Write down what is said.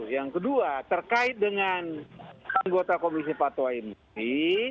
yang kedua terkait dengan anggota komisi fatwa mui